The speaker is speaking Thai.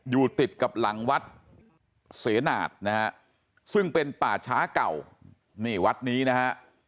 อยู่ติดกับหลังวัดเสนาทนะฮะซึ่งเป็นป่าช้าเก่านี่วัดนี้นะฮะ